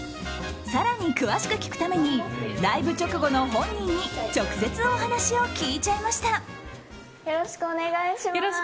更に詳しく聞くためにライブ直後の本人に直接お話を聞いちゃいました。